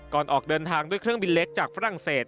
ออกเดินทางด้วยเครื่องบินเล็กจากฝรั่งเศส